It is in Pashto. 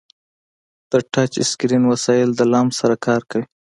د ټچ اسکرین وسایل د لمس سره کار کوي.